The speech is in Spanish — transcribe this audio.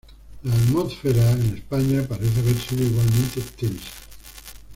La atmósfera en España parece haber sido igualmente tensa.